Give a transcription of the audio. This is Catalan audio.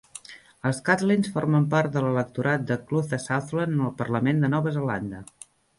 Els Catlins formen part de l'electorat de Clutha-Southland en el parlament de Nova Zelanda.